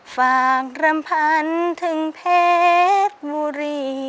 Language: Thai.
กรำพันถึงเพชรบุรี